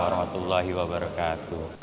wa rahmatullahi wa barakatuh